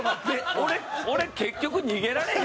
俺、結局、逃げられへん？